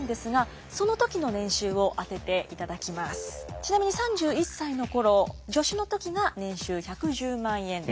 ちなみに３１歳の頃助手の時が年収１１０万円です。